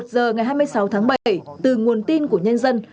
một giờ ngày hai mươi sáu tháng bảy từ nguồn tin của nhân dân